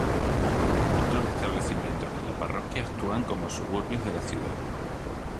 Otros establecimientos de la parroquia actúan como suburbios de la ciudad.